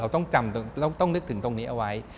ต้องจำต้องนึกถึงตรงนี้เอาไว้